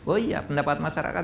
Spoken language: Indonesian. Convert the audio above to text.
oh iya pendapat masyarakat